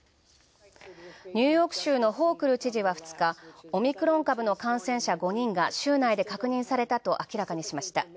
ニューヨーク州のホークル知事は２日オミクロン株感染者５人が州内で確認されたと明らかにしました。